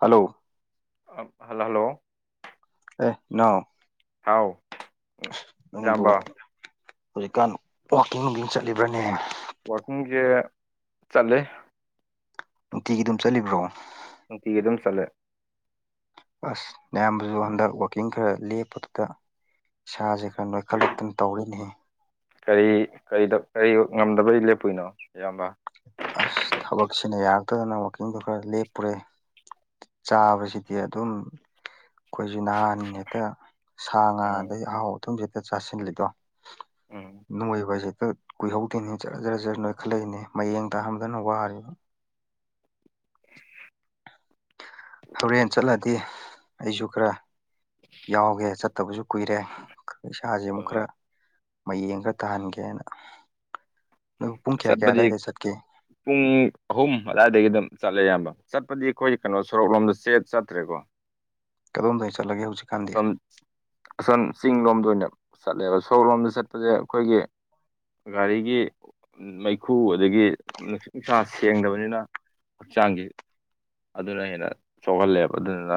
hello hello hello ꯑꯦ ꯅ [inaudible] ꯍꯥꯎ ꯎꯝ, ꯅꯪꯕꯨ ꯏꯌꯥꯝꯕ ꯍꯧꯖꯤꯛꯀꯥꯟ ꯋꯥꯛꯀꯤꯡ ꯅꯨꯡꯀꯤꯡ ꯑꯗꯨꯝ ꯆꯠꯂꯤꯕ꯭ꯔꯅꯦ ꯋꯥꯛꯀꯤꯡꯁꯦ ꯆꯠꯂ ꯅꯨꯡꯇꯤꯒꯤ ꯑꯗꯨꯝ ꯆꯠꯂꯤꯕ꯭ꯔꯣ ꯅꯨꯡꯇꯤꯒꯤ ꯑꯗꯨꯝ ꯆꯠꯂꯦ ꯑꯁ ꯅꯌꯥꯝꯕꯁꯨ ꯍꯟꯗꯛ ꯋꯥꯛꯀꯤꯡ ꯈꯔ ꯂꯦꯞꯄꯗꯨꯗ ꯏꯁꯥꯁꯦ ꯈꯔ ꯅꯣꯏꯈꯠꯂꯛꯇꯅ ꯇꯧꯔꯤꯅꯤ ꯀꯔꯤ ꯀꯔꯤꯗ ꯀꯔꯤ ꯉꯝꯗꯕꯩ ꯂꯦꯞꯄꯨꯏꯅꯣ ꯏꯌꯥꯝꯕ ꯑꯁ ꯊꯕꯛꯁꯤꯅ ꯌꯥꯔꯛꯇꯗꯅ ꯋꯥꯛꯀꯤꯡꯗꯣ ꯈꯔ ꯂꯦꯞꯄꯨꯔꯦ ꯆꯥꯕꯁꯤꯗꯤ ꯑꯗꯨꯝ ꯑꯩꯈꯣꯏꯁꯨ ꯅꯍꯥꯅꯤꯅꯥ ꯍꯦꯛꯇ ꯁꯥ ꯉꯥ ꯎꯝ ꯑꯗꯩ ꯑꯍꯥꯎ ꯑꯊꯨꯝꯁꯤꯗ ꯆꯥꯁꯤꯜꯂꯤꯗꯣ ꯎꯝ ꯅꯣꯏꯕ ꯍꯥꯏꯁꯤ ꯍꯦꯛꯇꯥ ꯀꯨꯏꯍꯧꯗꯦꯅꯤ ꯖꯔ ꯖꯔ ꯅꯣꯏꯈꯠꯂꯛꯏꯅꯦ ꯃꯌꯦꯡ ꯇꯥꯍꯝꯗꯅ ꯋꯥꯔꯤꯕ [inaudible] ꯍꯣꯔꯦꯟ ꯆꯠꯂꯗꯤ ꯑꯩꯁꯨ ꯈꯔ ꯌꯥꯎꯒꯦ ꯆꯠꯇꯕꯁꯨ ꯀꯨꯏꯔꯦ ꯈ ꯏꯁꯥꯁꯦ ꯍꯣꯏ ꯑꯃꯨꯛ ꯍꯣꯏ ꯈꯔ ꯃꯌꯦꯡ ꯈꯔ ꯇꯥꯍꯟꯒꯦꯅ ꯑꯗꯨ ꯄꯨꯡ ꯀꯌꯥ ꯀꯌꯥ ꯆꯠꯄꯗꯤ ꯑꯋꯥꯏꯗ ꯆꯠꯀꯦ ꯄꯨꯡ ꯑꯍꯨꯝ ꯑꯗꯨꯋꯥꯏꯗꯒꯤ ꯑꯗꯨꯝ ꯆꯠꯂꯦ ꯑꯌꯥꯝꯕ ꯆꯠꯄꯗꯤ ꯑꯩꯈꯣꯏ ꯀꯩꯅꯣ ꯁꯣꯔꯣꯛꯂꯣꯝꯗ ꯆꯦꯠ ꯆꯠꯇ꯭ꯔꯦꯀꯣ ꯀꯗꯣꯝꯗꯩ ꯆꯠꯂꯒꯦ ꯍꯧꯖꯤꯛ ꯑꯝ ꯑꯁꯣꯝ ꯆꯤꯡ ꯂꯣꯝꯗ ꯑꯣꯏꯅ ꯆꯠꯂꯦꯕ ꯁꯣꯔꯣꯛ ꯂꯣꯝꯗ ꯆꯠꯄꯁꯦ ꯑꯩꯈꯣꯏꯒꯤ ꯒꯥꯔꯤꯒꯤ ꯃꯩꯈꯨ ꯑꯗꯒꯤ ꯅꯨꯡꯁꯤꯠ ꯅꯨꯡꯁꯥ ꯁꯦꯡꯗꯕꯅꯤꯅ ꯍꯛꯆꯥꯡꯒꯤ ꯑꯗꯨꯅ ꯍꯦꯟꯅ ꯁꯣꯛꯍꯜꯂꯦꯕ ꯑꯗꯨꯗꯨꯅ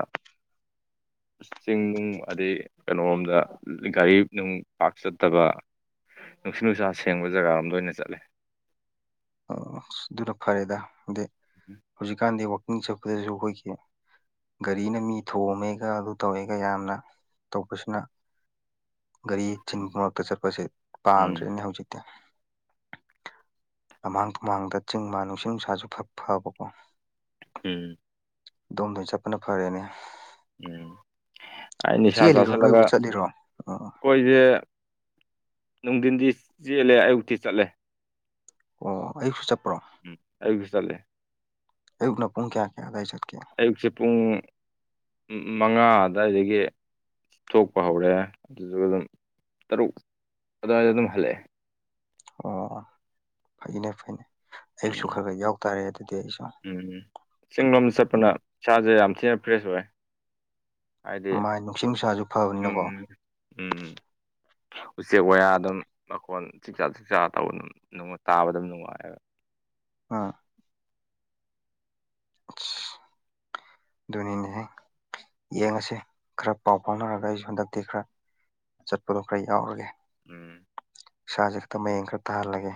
ꯆꯤꯡ ꯅꯨꯡ ꯑꯗꯩ ꯀꯩꯅꯣꯔꯣꯝꯗ ꯒꯥꯔꯤ ꯅꯨꯡ ꯄꯥꯛ ꯆꯠꯇꯕ ꯅꯨꯡꯁꯤꯠ ꯅꯨꯡꯁꯥ ꯁꯦꯡꯕ ꯖꯒꯥꯔꯣꯝꯗ ꯑꯣꯏꯅ ꯆꯠꯂꯦ ꯑꯗꯨꯅ ꯐꯔꯦꯗ ꯑꯗꯩ ꯍꯧꯖꯤꯛꯀꯥꯟꯗꯤ ꯋꯥꯛꯀꯤꯡ ꯆꯠꯄꯗꯁꯨ ꯑꯩꯈꯣꯏꯒꯤ ꯒꯥꯔꯤꯅ ꯃꯤ ꯊꯣꯝꯃꯦꯒ ꯑꯗꯨ ꯇꯧꯋꯦꯒ ꯌꯥꯝꯅ ꯇꯧꯕꯁꯤꯅ ꯒꯥꯔꯤ ꯆꯤꯟꯕ ꯃꯔꯛꯇ ꯆꯠꯄꯁꯦ ꯎꯝ ꯄꯥꯝꯗ꯭ꯔꯦꯅꯦ ꯍꯧꯖꯤꯛꯇꯤ ꯂꯝꯃꯥꯡ ꯇꯨꯝꯍꯥꯡꯗ ꯆꯤꯡ ꯃꯥꯥꯟ ꯅꯨꯡꯁꯤꯠ ꯅꯨꯡꯁꯥꯁꯨ ꯐꯛ ꯐꯕꯀꯣ ꯎꯝ ꯑꯣꯝꯗ ꯆꯠꯄꯅ ꯐꯔꯦꯅꯦ ꯎꯝ ꯑꯥꯢ ꯅꯤꯁꯥ ꯆꯦꯜꯂꯤꯔꯣ ꯆꯥꯥꯁꯜꯂꯒ ꯅꯣꯏꯕꯨ ꯆꯠꯂꯤꯔꯣ ꯑꯣ ꯈꯣꯏꯁꯦ ꯅꯨꯡꯊꯤꯟꯗꯤ ꯆꯦꯜꯂꯦ ꯑꯌꯨꯛꯇꯤ ꯆꯠꯂꯦ ꯑꯣ ꯑꯌꯨꯛꯁꯨ ꯆꯠꯄ꯭ꯔꯣ ꯎꯝ ꯑꯩꯌꯨꯛꯁꯨ ꯆꯠꯂꯦ ꯑꯌꯨꯛꯅ ꯄꯨꯡ ꯀꯌꯥ ꯀꯌꯥ ꯑꯗ꯭ꯋꯥꯏ ꯆꯠꯀꯦ ꯑꯌꯨꯛꯁꯦ ꯄꯨꯡ ꯃꯉꯥ ꯑꯗꯨꯋꯥꯏꯗꯒꯤ ꯊꯣꯛꯄ ꯍꯧꯔꯦ ꯑꯗꯨꯗꯒꯤ ꯑꯗꯨꯝ ꯇꯔꯨꯛ ꯑꯗꯨꯋꯥꯏꯗ ꯑꯗꯨꯝ ꯍꯜꯂꯛꯑꯦ ꯑꯣ ꯐꯩꯅꯦ ꯐꯩꯅꯦ ꯑꯩꯁꯨ ꯎꯝ ꯈꯔ ꯈꯔ ꯌꯥꯎꯇꯥꯔꯦ ꯑꯗꯨꯗꯤ ꯑꯩꯁꯨ ꯎꯝ ꯆꯤꯡ ꯂꯣꯝꯗ ꯆꯠꯄꯅ ꯏꯁꯥꯁꯦ ꯌꯥꯝ ꯊꯤꯅ ꯐ꯭ꯔꯦꯁ ꯑꯣꯏ ꯍꯥꯏꯗꯤ ꯃꯥꯏ ꯅꯨꯡꯁꯤ ꯅꯨꯡꯁꯥꯁꯨ ꯐꯕꯅꯤꯅꯀꯣ ꯎꯝ ꯎꯝ ꯎꯆꯦꯛ ꯋꯥꯌꯥ ꯑꯗꯨꯝ ꯃꯈꯣꯟ ꯆꯤꯛꯖꯥꯛ ꯆꯥꯛꯆꯥꯥ ꯇꯧꯕ ꯑꯗꯨꯝ ꯇꯥꯕ ꯑꯗꯨꯝ ꯅꯨꯡꯉꯥꯏꯕ ꯑꯥ ꯑꯁ ꯑꯗꯨꯅꯤꯅꯍꯦ ꯌꯦꯡꯉꯁꯤ ꯈꯔ ꯄꯥꯎ ꯐꯥꯎꯅꯔꯒ ꯑꯩꯁꯨ ꯍꯟꯗꯛꯇꯤ ꯈꯔ ꯆꯠꯄꯗꯣ ꯈꯔ ꯌꯥꯎꯔꯒꯦ ꯎꯝ ꯏꯁꯥꯁꯦ ꯈꯛꯇ ꯃꯌꯦꯡ ꯈꯔ ꯇꯥꯍꯜꯂꯒꯦ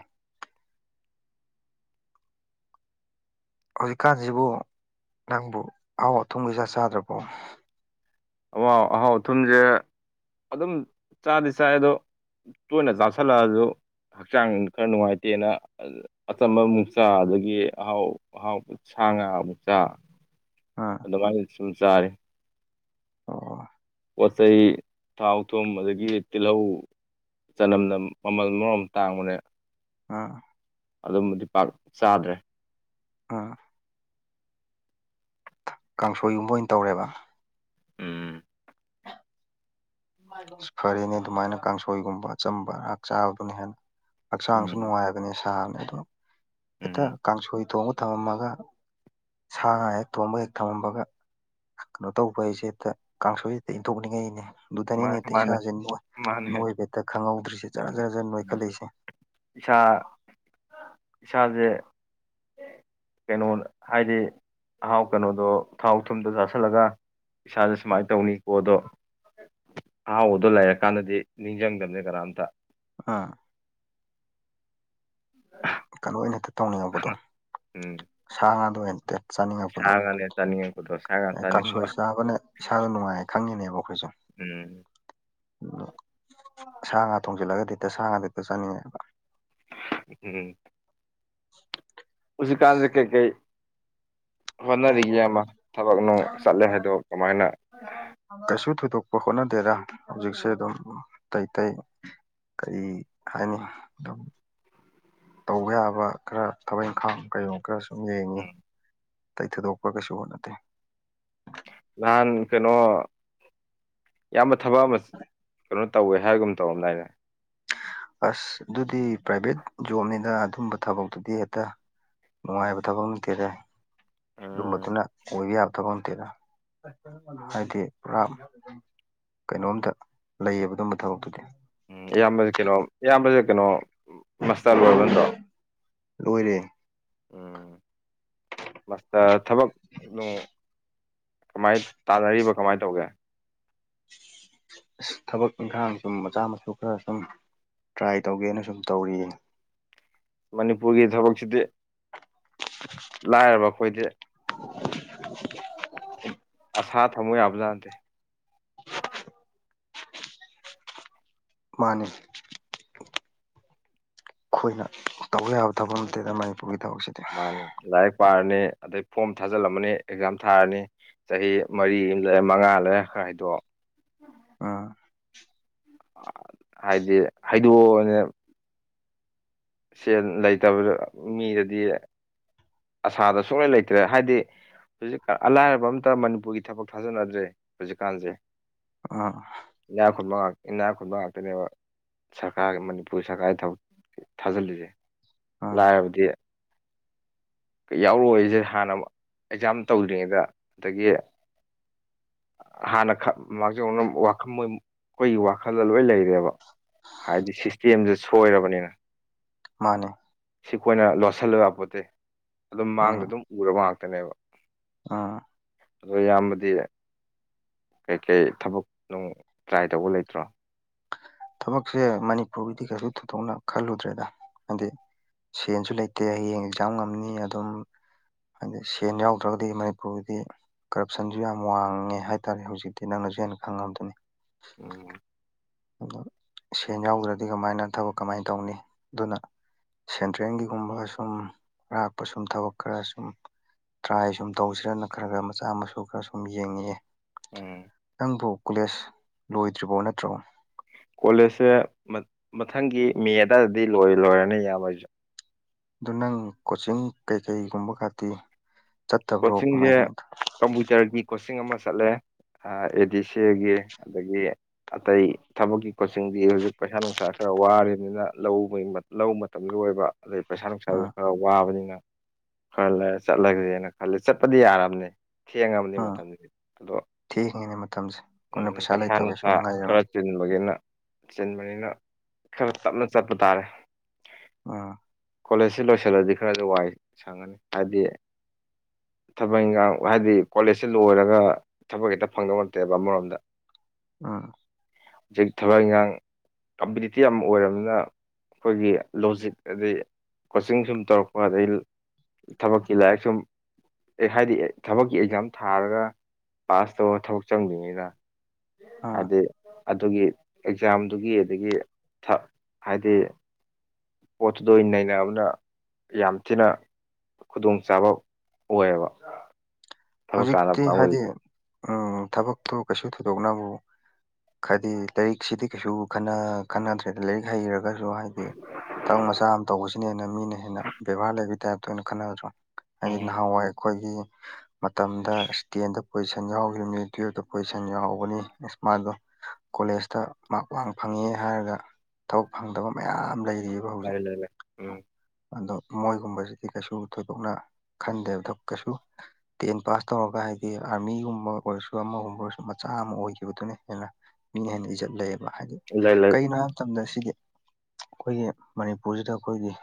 ꯍꯧꯖꯤꯛꯀꯥꯟꯁꯤꯕꯨ ꯅꯪꯕꯨ ꯑꯍꯥꯎ ꯑꯊꯨꯝ ꯀꯩ ꯀꯥ ꯆꯥꯗ꯭ꯔꯕꯣ ꯑꯋꯥꯥꯎ ꯑꯍꯥꯎ ꯑꯊꯨꯝꯁꯦ ꯑꯗꯨꯝ ꯆꯥꯗꯤ ꯆꯥꯏ ꯑꯗꯣ ꯇꯣꯏꯅ ꯆꯥꯥꯁꯜꯂꯛꯑꯁꯨ ꯍꯛꯆꯥꯡ ꯈꯔ ꯅꯨꯡꯉꯥꯏꯇꯦꯅ ꯑꯆꯝꯕ ꯃꯨꯛꯆꯥ ꯑꯗꯒꯤ ꯑꯍꯥꯎ ꯑꯍꯥꯎꯕ ꯁꯥ ꯉꯥ ꯃꯨꯛꯆꯥ ꯑ ꯑꯗꯨꯃꯥꯏꯅ ꯁꯨꯝ ꯆꯥꯔꯤ ꯑꯣ ꯄꯣꯠꯆꯩ ꯊꯥꯎ ꯊꯨꯝ ꯑꯗꯒꯤ ꯇꯤꯜꯂꯧ ꯆꯅꯝꯅ ꯃꯃꯜ ꯃꯔꯣꯜ ꯇꯥꯡꯕꯅꯦ ꯑꯥ ꯑꯗꯨꯝꯕꯗꯤ ꯄꯥꯛ ꯆꯥꯗ꯭ꯔꯦ ꯑꯥ ꯀꯥꯡꯁꯣꯏꯒꯨꯝꯕ ꯑꯣꯏꯅ ꯇꯧꯔꯦꯕ ꯎꯝ ꯑꯁ ꯐꯔꯦꯅꯦ ꯑꯗꯨꯃꯥꯏꯅ ꯀꯥꯡꯁꯣꯏꯒꯨꯝꯕ ꯑꯆꯝꯕ ꯉꯥꯛ ꯆꯥꯕꯗꯨꯅ ꯍꯦꯟꯅ ꯍꯛꯆꯥꯡꯁꯨ ꯎꯝ ꯅꯨꯡꯉꯥꯏꯕꯅꯦ ꯁꯥꯅꯤ ꯑꯗꯣ ꯍꯦꯛꯇ ꯎꯝ ꯀꯥꯡꯁꯣꯏ ꯊꯣꯡꯕ ꯊꯝꯃꯝꯃꯒ ꯁꯥ ꯉꯥ ꯍꯦꯛ ꯊꯣꯡꯕ ꯍꯦꯛ ꯊꯝꯃꯝꯕꯒ ꯀꯩꯅꯣ ꯇꯧꯕ ꯍꯥꯏꯁꯦꯗ ꯀꯥꯡꯁꯣꯏꯁꯤꯗ ꯏꯟꯊꯣꯛꯅꯤꯡꯉꯩꯅꯦ ꯑꯗꯨꯗꯅꯤꯅꯦ ꯃꯥꯅꯦ ꯃꯥꯅꯦ ꯏꯁꯥꯁꯦ ꯃꯥꯅꯦ ꯅꯣꯏ ꯍꯦꯛꯇ ꯈꯪꯍꯧꯗ꯭ꯔꯤꯁꯦ ꯖꯔ ꯖꯔ ꯖꯔ ꯅꯣꯏꯈꯠꯂꯛꯏꯁꯦ ꯏꯁꯥ ꯏꯁꯥꯁꯦ ꯀꯩꯅꯣ ꯍꯥꯏꯗꯤ ꯑꯍꯥꯎ ꯀꯩꯅꯣꯗꯣ ꯊꯥꯎ ꯊꯨꯝꯗꯣ ꯆꯥꯥꯁꯜꯂꯒ ꯏꯁꯥꯥꯁ ꯁꯨꯃꯥꯏꯅ ꯇꯧꯅꯤꯀꯣ ꯑꯗꯣ ꯑꯍꯥꯎꯕꯗꯣ ꯂꯩꯔ ꯀꯥꯟꯗꯗꯤ ꯅꯤꯡꯁꯤꯡꯗꯕꯅꯦ ꯀꯅꯥꯝꯇ ꯑ ꯀꯩꯅꯣ ꯑꯣꯏꯅ ꯍꯦꯛꯇ ꯇꯧꯅꯤꯡꯉꯛꯄꯗꯣ ꯎꯝ ꯁꯥ ꯉꯥꯗ ꯑꯣꯏꯅ ꯍꯦꯛꯇ ꯁꯥ ꯆꯥꯅꯤꯡꯉꯛꯄꯗꯣ ꯉꯥꯅꯦ ꯆꯥꯅꯤꯡꯉꯛꯄꯗꯣ ꯁ ꯀꯥꯡꯁꯣꯏ ꯆꯥꯕꯅ ꯏꯁꯥꯗ ꯅꯨꯡꯉꯥꯏ ꯈꯪꯉꯤꯅꯦꯕ ꯑꯩꯈꯣꯏꯁꯨ ꯎꯝ ꯎ ꯁꯥ ꯉꯥ ꯊꯣꯡꯖꯤꯜꯂꯒꯗꯤ ꯍꯦꯛꯇ ꯁꯥ ꯉꯥ ꯍꯦꯛꯇ ꯆꯠꯅꯤꯡꯉꯦꯕ ꯎꯝ ꯍꯨꯖꯤꯛꯀꯥꯟꯖꯦ ꯀꯩꯀꯩ ꯍꯣꯠꯅꯔꯤꯒꯦ ꯏꯌꯥꯝꯕ ꯊꯕꯛ ꯅꯨꯡ ꯆꯠꯂꯦ ꯍꯥꯏꯗꯣ ꯀꯃꯥꯏꯅ ꯀꯩꯁꯨ ꯊꯣꯏꯗꯣꯛꯄ ꯍꯣꯠꯅꯗꯦꯗ ꯍꯧꯖꯤꯛꯁꯦ ꯑꯗꯨꯝ ꯑꯇꯩ ꯑꯇꯩ ꯀꯔꯤ ꯍꯥꯏꯅꯤ ꯑꯗꯨꯝ ꯇꯧꯕ ꯌꯥꯕ ꯈꯔ ꯊꯕꯛ ꯏꯪꯈꯥꯡ ꯀꯩ ꯈꯔ ꯁꯨꯝ ꯌꯦꯡꯉꯤ ꯎꯝ ꯇꯩ ꯊꯣꯏꯗꯣꯛꯄ ꯀꯩꯁꯨ ꯍꯣꯠꯅꯗꯦ ꯅꯍꯥꯟ ꯀꯩꯅꯣ ꯏꯌꯥꯝꯕ ꯊꯕꯛ ꯑꯃ ꯀꯩꯅꯣ ꯇꯧꯋꯦ ꯍꯥꯏꯕꯒꯨꯝ ꯇꯧꯔꯝꯗꯥꯏꯅꯦ ꯑꯁ ꯑꯗꯨꯗꯤ ꯄ꯭ꯔꯥꯏꯚꯦꯠ ꯖꯣꯕꯅꯤꯗ ꯑꯗꯨꯝꯕ ꯊꯕꯛꯇꯨꯗꯤ ꯍꯦꯛꯇ ꯅꯨꯡꯉꯥꯏꯕ ꯊꯕꯛ ꯅꯠꯇꯦꯗ ꯎꯝ ꯑꯗꯨꯝꯕꯗꯨꯅ ꯑꯣꯏꯕ ꯌꯥꯕ ꯊꯕꯛ ꯅꯠꯇꯦꯗ ꯍꯥꯏꯗꯤ ꯄꯨꯔꯥ ꯀꯩꯅꯣꯝꯗ ꯂꯩꯌꯦꯕ ꯑꯗꯨꯝꯕ ꯊꯕꯛꯇꯨꯗꯤ ꯎꯝ ꯏꯌꯥꯝꯕꯁꯦ ꯀꯩꯅꯣ ꯏꯌꯥꯝꯕꯁꯦ ꯀꯩꯅꯣ ꯃꯥꯁꯇꯔ ꯂꯣꯏꯔꯕ ꯅꯠꯗ꯭ꯔꯣ ꯂꯣꯏꯔꯦ ꯎꯝ ꯃꯥꯥꯁꯇꯔ ꯊꯕꯛ ꯅꯨꯡ ꯀꯃꯥꯏ ꯇꯥꯟꯅꯔꯤꯕ ꯀꯃꯥꯏꯅ ꯇꯧꯒꯦ ꯊꯕꯛ ꯏꯪꯈꯥꯡ ꯁꯨꯝ ꯃꯆꯥ ꯃꯁꯨ ꯈꯔ ꯁꯨꯝ ꯇ꯭ꯔꯥꯏ ꯇꯧꯒꯦꯅ ꯁꯨꯝ ꯇꯧꯔꯤꯌꯦ ꯃꯅꯤꯄꯨꯔꯒꯤ ꯊꯕꯛꯁꯤꯗꯤ [inaudible] ꯂꯥꯏꯔꯕ ꯑꯩꯈꯣꯏꯗꯤ ꯑꯁꯥ ꯊꯝꯃꯨ ꯌꯥꯕꯖꯥꯥꯠ ꯅꯠꯇꯦ ꯃꯥꯅꯦ ꯑꯩꯈꯣꯏꯅ ꯇꯧꯕ ꯌꯥꯕ ꯊꯕꯛ ꯅꯠꯇꯦꯗ ꯃꯅꯤꯄꯨꯔꯒꯤ ꯊꯕꯛꯁꯤ ꯃꯥꯅꯤ ꯂꯥꯏꯔꯤꯛ ꯄꯥꯔꯅꯤ ꯑꯗꯩ ꯐꯣꯝ ꯊꯥꯖꯤꯜꯂꯝꯃꯅꯤ ꯑꯦꯛꯖꯥꯝ ꯊꯥꯔꯅꯤ ꯆꯍꯤ ꯃꯔꯤ ꯑꯃ ꯂꯩꯔꯦ ꯃꯉꯥ ꯂꯩꯔꯦ ꯈꯔ ꯍꯥꯏꯗꯣꯛ ꯑ ꯍꯥꯏꯗꯤ ꯍꯩꯗꯣꯛꯑꯣꯅꯦ ꯁꯦꯜ ꯂꯩꯇꯕꯗ ꯃꯤꯗꯗꯤ ꯑꯁꯥꯗꯣ ꯁꯨꯛꯂꯩ ꯂꯩꯇ꯭ꯔꯦ ꯍꯥꯏꯗꯤ ꯍꯧꯖꯤꯛꯀꯥꯟ ꯑ ꯂꯥꯏꯔꯕ ꯑꯃꯇ ꯃꯅꯤꯄꯨꯔꯒꯤ ꯊꯕꯛ ꯊꯥꯖꯟꯅꯗ꯭ꯔꯦ ꯍꯧꯖꯤꯛꯀꯥꯟꯁꯦ ꯑ ꯏꯅꯥꯛ ꯈꯨꯟꯕ ꯏꯅꯥꯛ ꯈꯨꯟꯕ ꯉꯥꯛꯇꯅꯦꯕ ꯁꯔꯀꯥꯔꯒꯤ ꯃꯅꯤꯄꯨꯔ ꯁꯔꯀꯥꯔꯒꯤ ꯊꯕꯛ ꯊꯥꯖꯤꯜꯂꯤꯁꯦ ꯎꯝ ꯂꯥꯏꯔꯕꯗꯤ ꯌꯥꯎꯔꯛꯑꯣꯏꯁꯦ ꯍꯥꯟꯅ ꯑꯦꯛꯖꯥꯝ ꯇꯧꯗ꯭ꯔꯤꯉꯩꯗ ꯑꯗꯒꯤ ꯍꯥꯟꯅ ꯃꯥꯡꯖꯧꯅꯅ ꯋꯥꯈꯜ ꯃꯣꯏ ꯑꯩꯈꯣꯏꯒꯤ ꯋꯥꯈꯜꯗ ꯂꯣꯏ ꯂꯩꯔꯦꯕ ꯍꯥꯏꯗꯤ ꯀꯦꯝꯁꯦ ꯁꯣꯏꯔꯕꯅꯤꯅ ꯃꯥꯅꯦ ꯁꯤꯈꯣꯏꯅ ꯂꯣꯠꯁꯤꯜꯂꯒꯄꯣꯠꯇꯦ ꯑꯗꯨꯝ ꯃꯥꯡꯗ ꯑꯗꯨꯝ ꯎꯔꯕ ꯉꯥꯛꯇꯅꯦꯕ ꯑ ꯑꯗꯣ ꯑꯌꯥꯝꯕꯗꯤ ꯀꯩ ꯀꯩ ꯊꯕꯛ ꯅꯨꯡ ꯇ꯭ꯔꯥꯏ ꯇꯧꯕ ꯂꯩꯇ꯭ꯔꯣ ꯊꯕꯛꯁꯦ ꯃꯅꯤꯄꯨꯔꯒꯤꯗꯤ ꯀꯩꯁꯨ ꯊꯣꯏꯗꯣꯛꯅ ꯈꯜꯂꯨꯗ꯭ꯔꯦꯗ ꯍꯥꯏꯗꯤ ꯁꯦꯟꯁꯨ ꯂꯩꯇꯦ ꯍꯌꯦꯡ ꯑꯦꯛꯖꯥꯝ ꯉꯝꯅꯤ ꯑꯗꯨꯝ ꯍꯥꯏꯗꯤ ꯁꯦꯟ ꯌꯥꯎꯗ꯭ꯔꯒꯗꯤ ꯃꯅꯤꯄꯨꯔꯒꯤꯗꯤ ꯀꯔꯞꯁꯟꯁꯨ ꯌꯥꯝ ꯋꯥꯡꯉꯦ ꯍꯥꯏꯇꯥꯔꯦ ꯍꯧꯖꯤꯛꯇꯤ ꯅꯪꯅꯁꯨ ꯍꯦꯟꯅ ꯈꯪꯉꯕꯗꯨꯅꯤ ꯑꯣꯝ ꯑ ꯁꯦꯟ ꯌꯥꯎꯗ꯭ꯔꯗꯤ ꯀꯃꯥꯏꯅ ꯊꯕꯛ ꯀꯃꯥꯏꯅ ꯇꯧꯅꯤ ꯑꯗꯨꯅ ꯁꯦꯟꯇ꯭ꯔꯦꯜꯒꯤꯒꯨꯝꯕ ꯁꯨꯝ ꯑꯔꯥꯛꯞꯄ ꯁꯨꯝ ꯊꯕꯛ ꯈꯔ ꯁꯨꯝ ꯇ꯭ꯔꯥꯏ ꯁꯨꯝ ꯇꯧꯁꯤꯔꯅ ꯈꯔ ꯈꯔ ꯃꯆꯥ ꯃꯁꯨ ꯈꯔ ꯁꯨꯝ ꯌꯦꯡꯉꯑꯦ ꯎꯝ ꯅꯪꯕꯨ ꯀꯣꯂꯦꯖ ꯂꯣꯏꯗ꯭ꯔꯤꯕꯣ ꯅꯠꯇ꯭ꯔꯣ ꯀꯣꯂꯦꯖꯁꯦ ꯃꯊꯪꯒꯤ ꯃꯦ ꯑꯗꯨꯋꯥꯏꯗꯗꯤ ꯂꯣꯏꯔ ꯂꯣꯏꯔꯅꯤ ꯌꯥꯝꯃꯣꯏꯁꯨ ꯑꯗꯨ ꯅꯪ ꯀꯣꯆꯤꯡ ꯀꯩꯀꯩꯒꯨꯝꯕ ꯈꯥꯇꯤ ꯀꯣꯆꯤꯡꯁꯦ ꯀꯝꯄꯨꯇꯔꯒꯤ ꯀꯣꯆꯤꯡ ꯑꯃ ꯆꯠꯂꯦ ꯑꯦ ꯗꯤ ꯁꯤ ꯑꯦꯒꯤ ꯑꯗꯒꯤ ꯑꯇꯩ ꯊꯕꯛꯀꯤ ꯀꯣꯆꯤꯡꯗꯤ ꯍꯧꯖꯤꯛ ꯄꯩꯁꯥ ꯅꯨꯡꯁꯥ ꯈꯔ ꯋꯥꯔꯤꯕꯅꯤꯅ ꯂꯧ ꯂꯧ ꯃꯇꯝꯁꯨ ꯑꯣꯏꯕ ꯑꯗꯩ ꯄꯩꯁꯥ ꯅꯨꯡꯁꯥꯁꯨ ꯎꯝ ꯈꯔ ꯋꯥꯕꯅꯤꯅ ꯈꯔ ꯂꯩ ꯆꯠꯂꯒꯦꯅ ꯈꯂꯦ ꯆꯠꯄꯗꯤ ꯌꯥꯔꯕꯅꯤ ꯊꯦꯡꯉꯕꯅꯤ ꯎꯝ ꯃꯇꯝꯗꯨꯗꯤ ꯑꯗꯣ ꯊꯦꯡꯉꯤꯅꯦ ꯃꯇꯝꯁꯦ ꯑꯩꯈꯣꯏꯅ ꯎꯝ ꯄꯩꯁꯥ ꯂꯩꯇꯕꯩ ꯅꯨꯡꯁꯥ ꯁꯨꯝ ꯈꯔ ꯉꯥꯏꯔꯕꯅꯤ ꯆꯤꯟꯕꯒꯤꯅ ꯆꯤꯟꯕꯅꯤꯅ ꯈꯔ ꯇꯞꯅ ꯆꯠꯄ ꯇꯥꯔꯦ ꯑ ꯀꯣꯂꯦꯖꯁꯤ ꯂꯣꯏꯁꯤꯜꯂꯗꯤ ꯈꯔꯗꯤ ꯋꯥꯏ ꯁꯪꯉꯅꯤ ꯍꯥꯏꯗꯤ ꯊꯕꯛ ꯏꯟꯈꯥꯡ ꯍꯥꯏꯗꯤ ꯀꯣꯂꯦꯖꯁꯤꯦ ꯂꯣꯏꯔꯒ ꯊꯕꯛ ꯍꯦꯛꯇ ꯐꯪꯗꯧ ꯅꯠꯇꯦꯕ ꯑꯃꯔꯣꯝꯗ ꯑꯥ ꯍꯧꯖꯤꯛ ꯊꯕꯛ ꯏꯟꯈꯥꯡ ꯀꯝꯄꯤꯇꯤꯇꯤꯞ ꯑꯃ ꯑꯣꯏꯔꯕꯅꯤꯅ ꯑꯩꯈꯣꯏꯒꯤ ꯂꯣꯖꯤꯛ ꯑꯗꯩ ꯀꯣꯆꯤꯡ ꯁꯨꯝ ꯇꯧꯔꯛꯄ ꯑꯗꯩ ꯊꯕꯛꯀꯤ ꯂꯥꯏꯔꯤꯛ ꯁꯨꯝ ꯑꯦ ꯍꯥꯏꯗꯤ ꯊꯕꯛꯀꯤ ꯑꯦꯛꯖꯥꯝ ꯊꯥꯔꯒ ꯄꯥꯁ ꯇꯧꯔ ꯊꯕꯛ ꯆꯪꯗ꯭ꯅꯤꯅ ꯎꯝ ꯍꯥꯏꯗꯤ ꯑꯗꯨꯒꯤ ꯑꯦꯛꯖꯥꯝꯗꯨꯒꯤ ꯑꯗꯒꯤ ꯍꯥꯏꯗꯤ ꯄꯣꯠꯇꯨꯗ ꯅꯩꯅꯕꯅ ꯌꯥꯝ ꯊꯤꯅ ꯈꯨꯗꯣꯡꯆꯥꯥꯕ ꯑꯣꯏꯌꯦꯕ ꯊꯕꯛ ꯍꯧꯖꯤꯛꯇꯤ ꯇꯥꯟꯅꯕ ꯍꯥꯏꯗꯤ ꯀꯥꯡꯕꯨꯗꯗꯤ ꯎ ꯊꯕꯛꯇꯣ ꯀꯩꯁꯨ ꯊꯣꯏꯗꯣꯛꯅꯕꯕꯨ ꯍꯥꯏꯗꯤ ꯂꯥꯏꯔꯤꯛꯁꯤꯗꯤ ꯀꯩꯁꯨ ꯈꯟꯅꯗ꯭ꯔꯦꯗ ꯂꯥꯏꯔꯤꯛ ꯍꯩꯔꯒꯁꯨ ꯍꯥꯏꯗꯤ ꯊꯕꯛ ꯆꯥ ꯑꯃ ꯇꯧꯕꯁꯤꯅ ꯍꯦꯟꯅ ꯃꯤꯅ ꯍꯦꯟꯅ ꯕꯦꯕꯥꯔ ꯂꯩꯕꯒꯤ ꯇꯥꯏꯞꯇ ꯑꯣꯏꯅ ꯈꯟꯅꯗ꯭ꯔꯣ ꯍꯥꯏꯗꯤ ꯎꯝ ꯅꯍꯥꯟꯋꯥꯏ ꯑꯩꯈꯣꯏꯒꯤ ꯃꯇꯝꯗ ꯇꯦꯟꯗ ꯄꯣꯖꯤꯁꯟ ꯌꯥꯎꯈꯤꯕꯅꯤ ꯇꯨꯌꯦꯜꯐꯇ ꯄꯣꯖꯤꯁꯟ ꯌꯥꯎꯒꯅꯤ ꯑꯃꯥꯏꯗꯣ ꯀꯣꯂꯦꯖꯇ ꯃꯔ ꯋꯥꯡ ꯐꯪꯉꯦ ꯍꯥꯏꯔꯒ ꯊꯕꯛ ꯐꯪꯗꯕ ꯃꯌꯥꯝ ꯂꯩꯔꯤꯕ ꯍꯥꯎꯖ ꯂꯩ ꯂꯩ ꯂꯩ ꯎꯝ ꯑꯗꯣ ꯃꯣꯏꯒꯨꯝꯕꯁꯤꯗꯤ ꯀꯩꯁꯨ ꯊꯣꯏꯗꯣꯛꯅ ꯈꯟꯗꯦꯕꯗꯣ ꯀꯩꯁꯨ ꯇꯦꯟ ꯄꯥꯁ ꯇꯧꯔꯒ ꯍꯥꯏꯗꯤ ꯑꯥꯔꯃꯤꯒꯨꯝꯕ ꯑꯣꯏꯔꯁꯨ ꯑꯃꯒꯨꯝꯕ ꯑꯣꯏꯔꯁꯨ ꯃꯆꯥ ꯑꯃ ꯑꯣꯏꯈꯤꯕꯗꯨꯅꯦ ꯍꯦꯟꯅ ꯃꯤ ꯍꯦꯟꯅ ꯏꯖꯠ ꯂꯩꯌꯦꯕ ꯍꯥꯏꯗꯤ ꯂꯩ ꯂꯩ ꯀꯩꯒꯤꯅꯣ ꯍꯥꯏꯕ ꯃꯇꯝꯗ ꯁꯤꯗꯤ ꯑꯩꯈꯣꯏꯒꯤ ꯃꯅꯤꯄꯨꯔꯁꯤꯗ ꯑꯩꯈꯣꯏꯒꯤ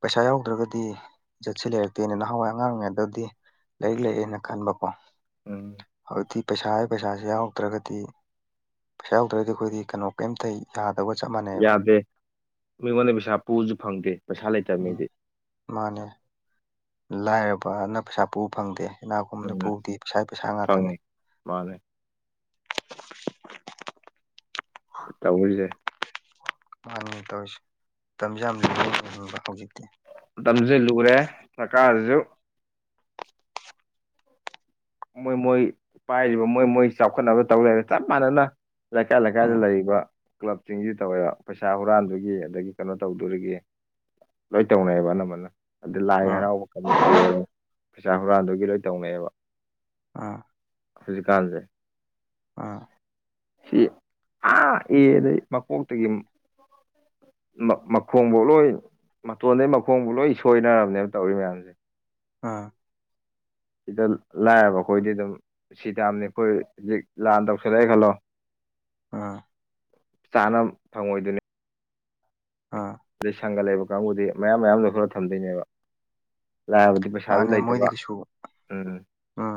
ꯄꯩꯁꯥ ꯌꯥꯎꯗ꯭ꯔꯒꯗꯤꯖꯠꯁꯤ ꯂꯩꯔꯛꯇꯦꯅ ꯅꯍꯥꯟꯋꯥꯏ ꯑꯉꯥꯡꯔꯤꯉꯩꯗꯗꯤ ꯂꯥꯏꯔꯤꯛ ꯂꯩꯑꯦꯅ ꯈꯟꯕꯀꯣ ꯎꯝ ꯍꯧꯖꯤꯛꯇꯤ ꯄꯩꯁꯥ ꯍꯥꯏ ꯄꯩꯁꯥꯁꯤ ꯌꯥꯎꯔꯗ꯭ꯔꯒꯗꯤ ꯄꯩꯁꯥ ꯌꯥꯎꯗ꯭ꯔꯒꯗꯤ ꯑꯩꯈꯣꯏꯗꯤ ꯀꯩꯅꯣ ꯀꯩꯝꯊꯩ ꯌꯥꯗꯕ ꯆꯞꯥꯟꯅꯩ ꯌꯥꯗꯦ ꯃꯤꯉꯣꯟꯗ ꯄꯩꯁꯥ ꯄꯨꯕꯁꯨ ꯐꯪꯗꯦ ꯄꯩꯁꯥ ꯂꯩꯇꯕ ꯎꯝ ꯃꯤꯗꯤ ꯃꯥꯅꯦ ꯂꯥꯏꯔꯕꯅ ꯄꯩꯁꯥ ꯄꯨꯕ ꯐꯪꯗꯦ ꯏꯅꯥꯀꯥꯈꯨꯟꯕꯅ ꯎꯝ ꯄꯨꯕꯗꯤ ꯄꯩꯁꯥ ꯄꯩꯁꯥ ꯉꯥꯛꯇꯅꯤ ꯐꯪꯉꯦ ꯃꯥꯅꯦ ꯇꯧꯔꯤꯁꯦ ꯃꯥꯅꯦ ꯇꯧꯔꯤꯁꯦ ꯃꯇꯝꯁꯦ ꯌꯥꯝꯅꯤꯡꯕ ꯍꯧꯖꯤꯛꯇꯤ ꯃꯇꯝꯁꯤ ꯂꯨꯔꯦ ꯁꯔꯀꯥꯔꯁꯤꯁꯨ ꯃꯣꯏ ꯃꯣꯏ ꯄꯥꯏꯔꯤꯕ ꯃꯣꯏ ꯃꯣꯏ ꯆꯥꯎꯈꯠꯅꯕ ꯇꯧ ꯂꯩꯔꯦ ꯆꯞ ꯃꯥꯟꯅꯅ ꯂꯩꯀꯥꯏ ꯂꯩꯀꯥꯏꯗ ꯎꯝ ꯂꯩꯔꯤꯕꯕ ꯀ꯭ꯂꯕꯁꯤꯡꯁꯤ ꯇꯧꯋꯦꯕ ꯄꯩꯁꯥ ꯍꯨꯔꯥꯟꯗꯨꯒꯤ ꯑꯗꯒꯤ ꯀꯩꯅꯣ ꯇꯧꯗꯨꯔꯤꯒꯤ ꯂꯣꯏ ꯇꯧꯅꯩꯑꯦꯕ ꯑꯅꯝꯕꯅ ꯑꯗꯨ ꯂꯥꯏ ꯎꯝ ꯍꯔꯥꯎꯕ ꯀꯔꯤ ꯄꯩꯁꯥ ꯍꯨꯔꯥꯟꯗꯨꯒꯤ ꯂꯣꯏ ꯇꯧꯅꯩꯑꯦꯕ ꯑꯥ ꯍꯧꯖꯤꯛꯀꯥꯜꯁꯦ ꯑ ꯁꯤ ꯑꯦ ꯑꯗꯩ ꯃꯀꯣꯛꯇꯒꯤ ꯃꯈꯣꯡꯐꯥꯎ ꯂꯣꯏ ꯃꯇꯣꯟꯗꯩ ꯃꯈꯣꯡꯐꯥꯎ ꯂꯣꯏ ꯁꯣꯏꯅꯔꯕꯅꯦꯕ ꯇꯧꯔꯤ ꯃꯌꯥꯝꯁꯦ ꯑꯥ ꯁꯤꯗ ꯂꯥꯏꯔꯕ ꯑꯩꯈꯣꯏꯗꯤ ꯑꯗꯨꯝ ꯁꯤ ꯇꯝꯅꯤ ꯑꯩꯈꯣꯏ ꯍꯧꯖꯤꯛ ꯂꯥꯟ ꯇꯧꯁꯜꯂꯛꯑꯦ ꯈꯜꯂꯣ ꯑꯥ ꯆꯥꯅ ꯐꯪꯉꯣꯏꯗꯨꯣꯏꯅꯤ ꯑꯥ ꯑꯗꯩ ꯁꯪꯒ ꯂꯩꯕ ꯀꯥꯡꯕꯨꯗꯤ ꯃꯌꯥꯝ ꯃꯌꯥꯝ ꯂꯧꯁꯤꯜꯂꯥ ꯊꯝꯗꯣꯏꯅꯦꯕ ꯂꯥꯏꯔꯕꯗꯤ ꯄꯩꯁꯥ ꯃꯥꯅꯦ ꯃꯣꯏꯗꯒꯤ ꯀꯩꯁꯨ ꯎꯝ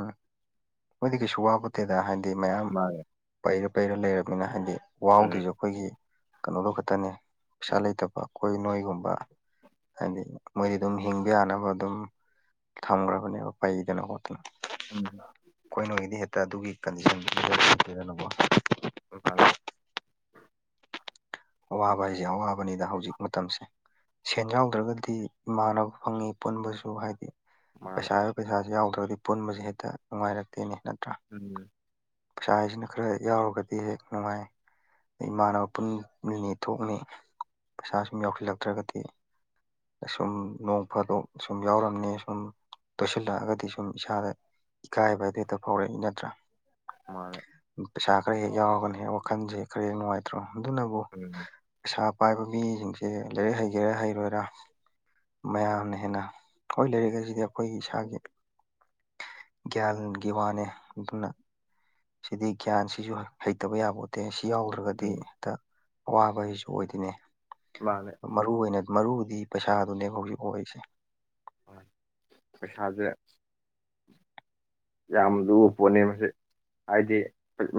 ꯃꯣꯏꯗꯤ ꯀꯩꯁꯨ ꯋꯥꯕꯠꯇꯦꯗ ꯍꯥꯏꯗꯤ ꯃꯌꯥꯝ ꯃꯥꯅꯦ ꯄꯩꯔ ꯄꯩꯔ ꯂꯩꯔꯕꯅꯤꯅ ꯍꯥꯏꯗꯤ ꯎꯝ ꯋꯥꯎꯗꯁꯨ ꯑꯩꯈꯣꯏꯒꯤ ꯀꯩꯅꯣꯗꯣ ꯈꯛꯇꯅꯦ ꯄꯩꯁꯥ ꯂꯩꯇꯕ ꯀꯣꯏ ꯅꯣꯏꯒꯨꯝꯕ ꯍꯥꯏꯗꯤ ꯃꯣꯏꯗꯤ ꯑꯗꯨꯝ ꯍꯤꯡꯕ ꯌꯥꯅꯕ ꯑꯗꯨꯝ ꯊꯝꯒ꯭ꯔꯕꯅꯦꯕ ꯄꯥꯏꯗꯅ ꯍꯣꯠꯇꯅ ꯎꯝ ꯑꯩꯈꯣꯏ ꯅꯣꯏꯒꯤꯗꯤ ꯍꯦꯛꯇ ꯑꯗꯨꯒꯤ ꯀꯟꯗꯤꯁꯟꯗꯨ ꯐꯖꯅꯥ ꯂꯩꯇꯦꯗꯅꯀꯣ ꯅꯣꯏ ꯕꯥ ꯂꯥꯏ ꯑꯋꯥꯕ ꯍꯥꯏꯁꯦ ꯑꯋꯥꯕꯅꯤꯗ ꯍꯧꯖꯤꯛ ꯃꯇꯝꯁꯦ ꯁꯦꯟ ꯌꯥꯎꯗ꯭ꯔꯒꯗꯤ ꯏꯃꯥꯟꯅꯕ ꯐꯪꯉꯤ ꯄꯨꯟꯕꯁꯨ ꯍꯥꯏꯗꯤ ꯃꯥꯅꯦ ꯄꯩꯁꯥ ꯍꯥꯏꯕ ꯄꯩꯁꯥꯁꯤ ꯌꯥꯎꯗ꯭ꯔꯒꯗꯤ ꯄꯨꯟꯕꯁ ꯍꯦꯛꯇ ꯅꯨꯡꯉꯥꯏꯔꯛꯇꯦꯅꯦ ꯅꯠꯇ꯭ꯔꯥ ꯎꯝ ꯄꯩꯁꯥꯁꯤꯅ ꯈꯔ ꯌꯥꯎꯔꯒꯗꯤ ꯍꯦꯛ ꯅꯨꯡꯉꯥꯏ ꯏꯃꯥꯟꯅꯕ ꯄꯨꯟꯅꯤ ꯊꯣꯛꯅꯤ ꯄꯩꯁꯥ ꯁꯨꯝ ꯌꯥꯧꯁꯤꯜꯂꯛꯇ꯭ꯔꯒꯗꯤ ꯁꯨꯝ ꯅꯣꯡ ꯐꯥꯗꯣꯛ ꯁꯁꯨꯝ ꯌꯥꯎꯔꯝꯅꯤ ꯁꯨꯝ ꯇꯣꯏꯁꯤꯜꯂꯛꯑꯒꯗꯤ ꯁꯨꯝ ꯏꯁꯥꯗ ꯏꯀꯥꯏꯕ ꯍꯥꯏꯗꯨ ꯍꯦꯛꯇ ꯐꯥꯎꯔꯛꯏ ꯅꯠꯇ꯭ꯔꯥ ꯃꯥꯅꯦ ꯄꯩꯁꯥ ꯈꯔ ꯍꯦꯛ ꯌꯥꯎꯔꯒꯅꯤ ꯋꯥꯈꯜꯁꯦ ꯈꯔ ꯍꯦꯛ ꯅꯨꯡꯉꯥꯏꯇ꯭ꯔꯣ ꯑꯗꯨꯅꯕꯨ ꯎꯝ ꯄꯩꯁꯥ ꯄꯥꯏꯕ ꯃꯤꯁꯤꯡꯁꯦ ꯂꯥꯏꯔꯤꯛ ꯍꯩꯒꯦꯔꯥ ꯍꯩꯔꯣꯏꯔꯥ ꯃꯌꯥꯝꯅ ꯍꯦꯟꯅ ꯍꯣꯏ ꯂꯩꯥꯏꯔꯤꯛ ꯑꯁꯤꯗꯤ ꯑꯩꯈꯣꯏꯒꯤ ꯏꯁꯥꯒꯤ ꯒ꯭ꯌꯥꯜꯒꯤ ꯋꯥꯅꯦ ꯑꯗꯨꯅ ꯁꯤꯗꯤ ꯒ꯭ꯌꯥꯟ ꯁꯤꯁꯨ ꯍꯩꯇꯕ ꯌꯥꯕꯣꯠꯇꯦ ꯁꯤ ꯌꯥꯎꯗ꯭ꯔꯒꯗꯤ ꯎꯝ ꯍꯦꯛꯇ ꯑꯋꯥꯕ ꯍꯥꯏꯁꯨ ꯑꯣꯏꯗꯣꯏꯅꯦ ꯂꯥꯜꯂꯦ ꯃꯔꯨ ꯑꯣꯏꯅ ꯃꯔꯨꯗꯤ ꯄꯩꯁꯥꯗꯨꯅꯦꯕ ꯍꯧꯖꯤꯛ ꯑꯣꯏꯔꯤꯁꯦ ꯄꯩꯁꯥꯖꯦ ꯌꯥꯝ ꯂꯨꯕ ꯄꯣꯠꯅꯦ ꯃꯁꯦ ꯍꯥꯏꯗꯤ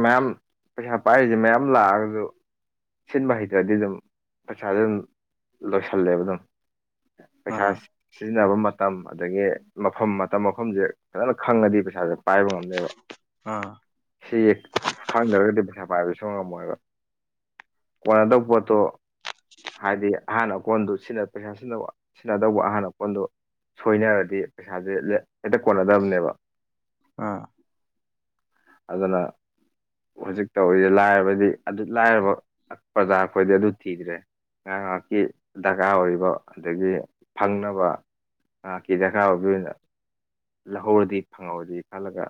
ꯃꯌꯥꯝ ꯄꯩꯁꯥ ꯄꯥꯏꯔꯤꯁꯦ ꯃꯌꯥꯝ ꯂꯥꯛꯑꯒꯁꯨ ꯁꯤꯟꯕ ꯍꯩꯇ꯭ꯔꯗꯤ ꯑꯗꯨꯝ ꯄꯩꯁꯥꯁꯨ ꯑꯗꯨꯝ ꯂꯣꯏꯁꯜꯂꯦꯕ ꯑꯗꯨꯝ ꯄꯩꯁꯥ ꯎꯝ ꯁꯤꯖꯤꯟꯅꯕ ꯃꯇꯝ ꯑꯗꯒꯤ ꯃꯐꯝ ꯃꯇꯝ ꯃꯐꯝꯁꯦ ꯐꯖꯅ ꯈꯪꯉꯗꯤ ꯄꯩꯁꯥꯖꯦ ꯄꯥꯏꯕ ꯉꯝꯅꯦꯕ ꯑ ꯁꯤ ꯈꯪꯗ꯭ꯔꯒꯗꯤ ꯄꯩꯁꯥ ꯄꯥꯏꯕ ꯁꯨꯡꯉꯝ ꯉꯝꯃꯣꯏꯕ ꯀꯣꯟꯅꯗꯕ ꯄꯣꯠꯇꯣ ꯍꯥꯏꯗꯤ ꯑꯍꯥꯟ ꯑꯀꯣꯟꯗꯨ ꯁꯤꯅ ꯄꯩꯁꯥ ꯁꯤꯖꯤꯟꯅꯕ ꯁꯤꯖꯤꯟꯅꯗꯧꯕ ꯑꯍꯥꯟ ꯑꯀꯣꯟꯗꯣ ꯁꯣꯏꯅꯔꯗꯤ ꯄꯩꯁꯥꯁꯦ ꯍꯦꯛꯇ ꯀꯣꯟꯅꯗꯕꯅꯦꯕ ꯑ ꯑꯗꯨꯅ ꯍꯧꯖꯤꯛ ꯇꯧꯔꯤꯁꯦ ꯂꯥꯏꯔꯕꯗꯤ ꯑꯗꯨ ꯂꯥꯏꯔꯕ ꯄ꯭ꯔꯖꯥ ꯑꯩꯈꯣꯏꯗꯤ ꯑꯗꯨ ꯊꯤꯗ꯭ꯔꯦ ꯉꯥꯏꯍꯥꯛ ꯉꯥꯏꯍꯥꯛꯀꯤ ꯗꯔꯀꯥꯔ ꯑꯣꯏꯔꯤꯕ ꯑꯗꯒꯤ ꯐꯪꯅꯕ ꯉꯥꯏꯍꯥꯛꯀꯤ ꯗꯔꯀꯥꯔ ꯑꯣꯏꯕ ꯑꯣꯏꯅ ꯂꯧꯍꯧꯔꯗꯤ ꯐꯪꯍꯧꯔꯗꯤ ꯈꯜꯂꯒ